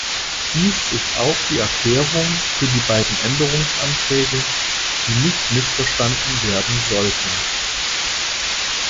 Dies ist auch die Erklärung für die beiden Änderungsanträge, die nicht missverstanden werden sollten.